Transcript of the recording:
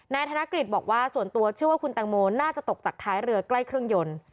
ธนกฤษบอกว่าส่วนตัวเชื่อว่าคุณแตงโมน่าจะตกจากท้ายเรือใกล้เครื่องยนต์